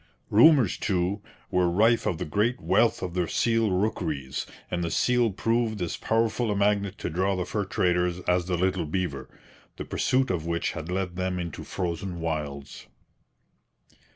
Rumours, too, were rife of the great wealth of the seal rookeries, and the seal proved as powerful a magnet to draw the fur traders as the little beaver, the pursuit of which had led them into frozen wilds.